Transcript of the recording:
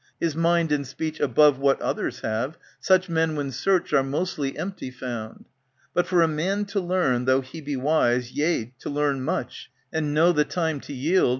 His mind and speech above what others have. Such men when searched are mostly empty found. But for a man to learn, though he be wise, ^^ Yea to learn much, and know the time to yield.